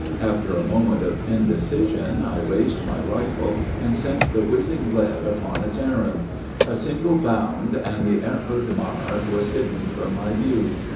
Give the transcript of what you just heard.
After a moment of indecision, I raised my rifle, and sent the whizzing lead upon its errand. A single bound, and the antlered monarch was hidden from my view.